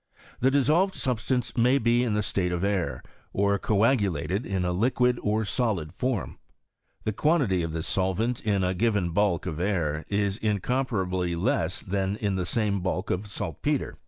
The dissolved substance may be in the state of air, or coagulated in a liquid or solid form. The quantity of this solvent in a given bulk of air is incomparably less than in the same bulk of saltpetre.